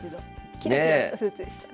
キラキラしたスーツでしたね。